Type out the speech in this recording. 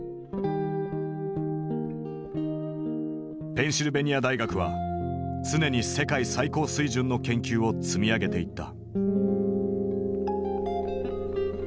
ペンシルベニア大学は常に世界最高水準の研究を積み上げていった。